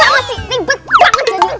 gak mau disini betul banget jadi orang